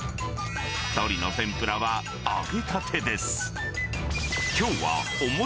鶏の天ぷらは揚げたてです。